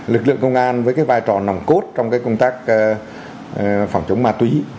lực lượng công an với cái vai trò nằm cốt trong cái công tác phòng chống ma túy